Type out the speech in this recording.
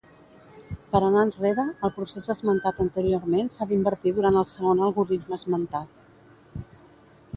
Per anar enrere, el procés esmentat anteriorment s'ha d'invertir durant el segon algoritme esmentat.